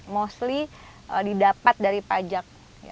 mostly didapat dari pajak